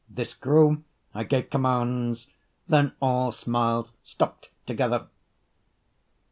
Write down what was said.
This grew; I gave commands; Then all smiles stopped together.